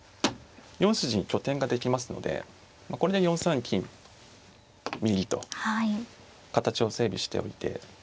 ４筋に拠点ができますのでこれで４三金右と形を整備しておいて。